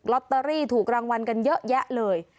ลอตเตอรี่ถูกรางวัลกันเยอะแยะเลย